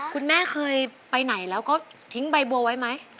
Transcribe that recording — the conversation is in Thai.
คุณแม่เคยไปไหนแล้วก็ทิ้งใบบัวไว้ไหม